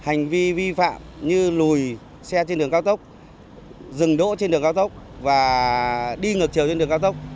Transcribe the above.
hành vi vi phạm như lùi xe trên đường cao tốc dừng đỗ trên đường cao tốc và đi ngược chiều trên đường cao tốc